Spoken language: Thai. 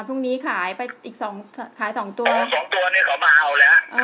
พรุ่งนี้ขายไปอีกสองขายสองตัวอ๋อสองตัวเนี้ยเขามาเอาแล้ว